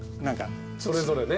それぞれね。